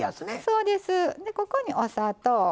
ここに、お砂糖。